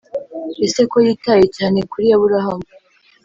Ese ko yitaye cyane kuri Aburahamu.